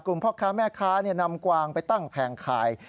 พ่อค้าแม่ค้านำกวางไปตั้งแผงขาย